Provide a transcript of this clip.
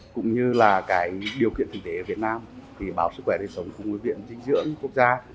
cũng như là điều kiện thực tế ở việt nam thì báo sức khỏe đời sống cùng viện dinh dưỡng quốc gia